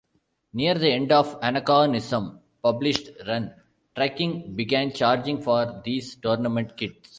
Near the end of "Anachronism"'s published run, TriKing began charging for these tournament kits.